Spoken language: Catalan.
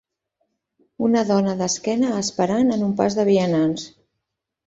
Una dona d'esquena esperant en un pas de vianants.